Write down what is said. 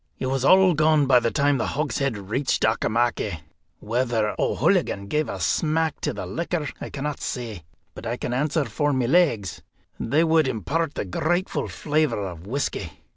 It was all gone by the time the hogshead reached Auchimachie. Whether O'Hooligan gave a smack to the liquor I cannot say, but I can answer for my legs, they would impart a grateful flavour of whisky.